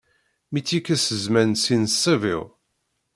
Mi tt-yekkes zzman si nṣib-iw.